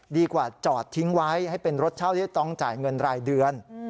ดีกว่าจอดทิ้งไว้ให้เป็นรถเช่าที่จะต้องจ่ายเงินรายเดือน